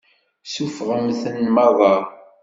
Suffɣemt-ten meṛṛa.